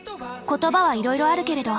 言葉はいろいろあるけれど。